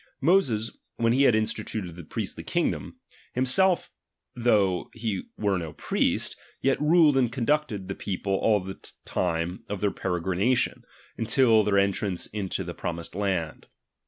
Moses, when he had instituted the priestly king dom, himself though he were no priest, yet niled and conducted the people all the time of their peregrination, until their entrance luto the pro raised land.